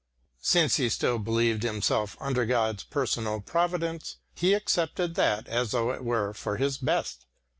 Since he still believed himself under God's personal providence, he accepted that as though it were for his best.